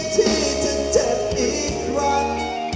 ที่จะเจ็บอีกครั้ง